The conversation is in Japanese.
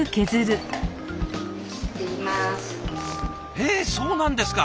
へえそうなんですか。